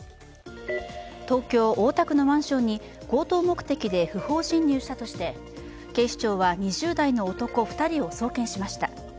東京・大田区のマンションに強盗目的で不法侵入したとして警視庁は２０代の男２人を書類送検しました。